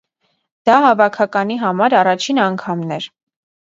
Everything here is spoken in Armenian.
Դա հավաքականի համար առաջին անգամն էր։